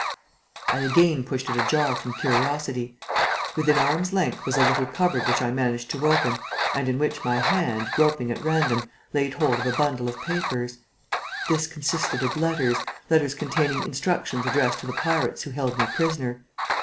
I again pushed it ajar from curiosity. Within arm's length was a little cupboard which I managed to open and in which my hand, groping at random, laid hold of a bundle of papers. This consisted of letters, letters containing instructions addressed to the pirates who held me prisoner.